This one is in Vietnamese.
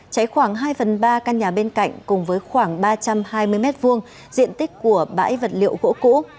cháy khoảng hai phần ba căn nhà bên cạnh cùng với khoảng ba trăm hai mươi m hai diện tích của bãi vật liệu gỗ cũ